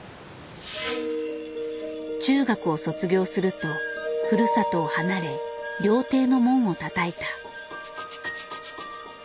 中学を卒業するとふるさとを離れ料亭の門をたたいた。